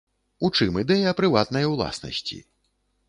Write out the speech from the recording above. У чым ідэя прыватнай ўласнасці?